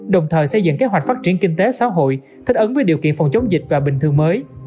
đồng thời xây dựng kế hoạch phát triển kinh tế xã hội thích ứng với điều kiện phòng chống dịch và bình thường mới